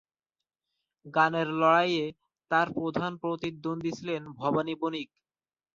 গানের লড়াইয়ে তাঁর প্রধান প্রতিদ্বন্দ্বী ছিলেন ভবানী বণিক।